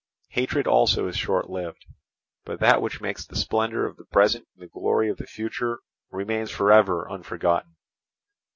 Hatred also is short lived; but that which makes the splendour of the present and the glory of the future remains for ever unforgotten.